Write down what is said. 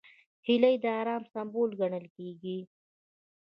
هیلۍ د ارام سمبول ګڼل کېږي